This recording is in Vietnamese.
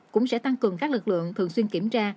cũng sẽ tăng cường các lực lượng thường xuyên kiểm tra